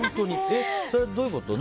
それ、どういうこと？